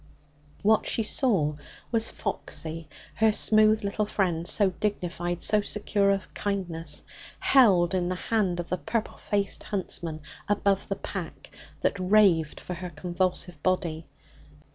What she saw was Foxy, her smooth little friend, so dignified, so secure of kindness, held in the hand of the purple faced huntsman above the pack that raved for her convulsive body.